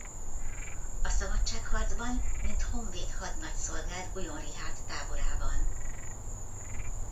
A szabadságharcban mint honvéd hadnagy szolgált Guyon Richárd táborában.